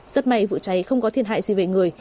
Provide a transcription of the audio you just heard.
rất may vụ cháy không có thiệt hại gì về người